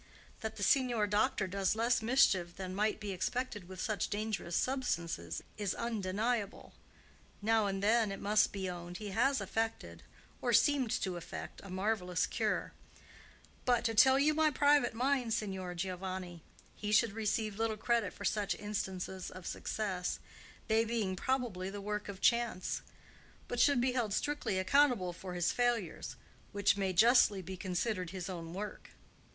That the signor doctor does less mischief than might be expected with such dangerous substances is undeniable. Now and then, it must be owned, he has effected, or seemed to effect, a marvellous cure; but, to tell you my private mind, Signor Giovanni, he should receive little credit for such instances of success,—they being probably the work of chance,—but should be held strictly accountable for his failures, which may justly be considered his own work."